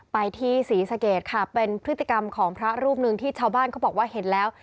ไปที่ศรีสะเกดค่ะเป็นพฤติกรรมของพระรูปหนึ่งที่ชาวบ้านเขาบอกว่าเห็นแล้ว